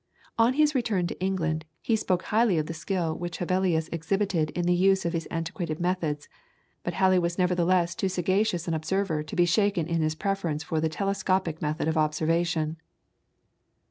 On his return to England, he spoke highly of the skill which Hevelius exhibited in the use of his antiquated methods, but Halley was nevertheless too sagacious an observer to be shaken in his preference for the telescopic method of observation.